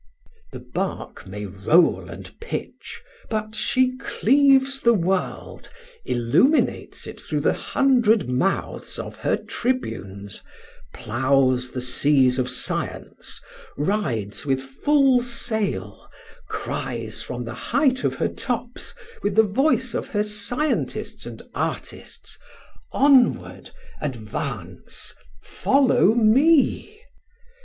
The barque may roll and pitch, but she cleaves the world, illuminates it through the hundred mouths of her tribunes, ploughs the seas of science, rides with full sail, cries from the height of her tops, with the voice of her scientists and artists: "Onward, advance! Follow me!"